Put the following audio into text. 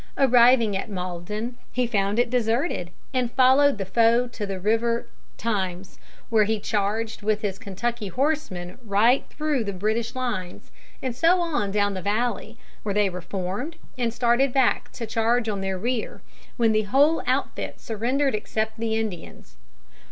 Arriving at Malden, he found it deserted, and followed the foe to the river Thames, where he charged with his Kentucky horsemen right through the British lines and so on down the valley, where they reformed and started back to charge on their rear, when the whole outfit surrendered except the Indians.